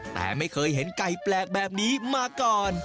แต่ไม่เคยเห็นไก่แปลกแบบนี้มาก่อน